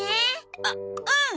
あっうん！